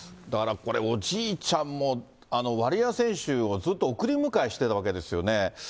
だから、これ、おじいちゃんもワリエワ選手をずっと送り迎えしてたわけですよね。